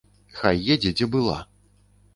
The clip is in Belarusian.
Хай едзе, дзе была.